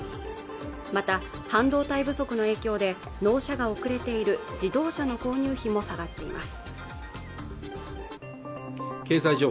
また半導体不足の影響で納車が遅れている自動車の購入費も下がっています